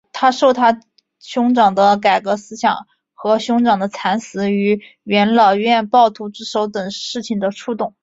他受他兄长的改革思想和兄长的惨死于元老院暴徒之手等事情的触动。